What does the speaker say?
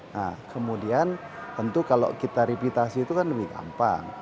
nah kemudian tentu kalau kita revitasi itu kan lebih gampang